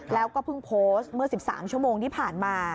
แล้วก็เพิ่งโพสต์เมื่อ๑๓ชั่วโมงที่ผ่านมา